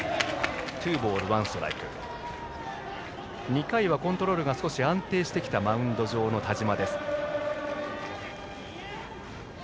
２回はコントロールが少し安定してきたマウンド上の田嶋。